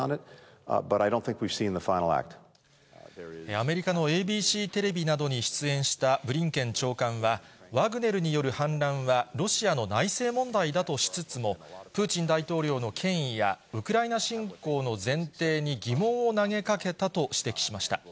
アメリカのＡＢＣテレビなどに出演したブリンケン長官は、ワグネルによる反乱はロシアの内政問題だとしつつも、プーチン大統領の権威やウクライナ侵攻の前提に疑問を投げかけたと指摘しました。